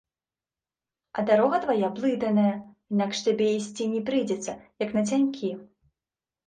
А дарога твая блытаная, інакш табе ісці не прыйдзецца, як нацянькі.